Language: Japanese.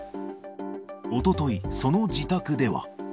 おととい、その自宅では。